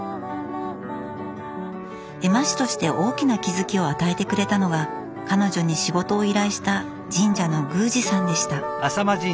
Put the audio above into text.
絵馬師として大きな気付きを与えてくれたのが彼女に仕事を依頼した神社の宮司さんでした。